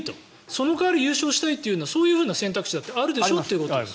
その代わり優勝したいというそういう選択肢だってあるでしょうということ。